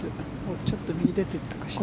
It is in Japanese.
ちょっと右に出ていったかしら。